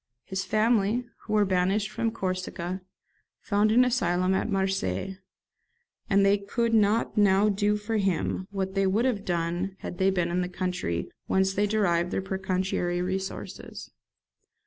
His family, who were banished from Corsica, found an asylum at Marseilles; and they could not now do for him what they would have done had they been in the country whence they derived their pecuniary resources.